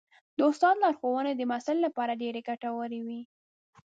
د استاد لارښوونې د محصل لپاره ډېرې ګټورې وي.